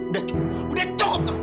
udah cukup udah cukup kamu